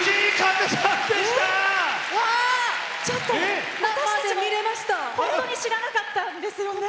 私たち、本当に知らなかったんですよね。